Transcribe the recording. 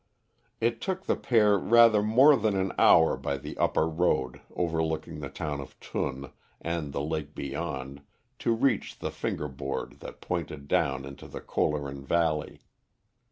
It took the pair rather more than an hour by the upper road, overlooking the town of Thun and the lake beyond, to reach the finger board that pointed down into the Kohleren valley.